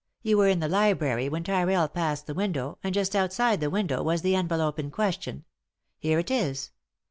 You were in the library when Tyrrell passed the window, and just outside the window was the envelope in question. Here it is.